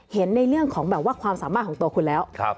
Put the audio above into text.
เห็นในเรื่องของแบบว่าความสามารถของตัวคุณแล้ว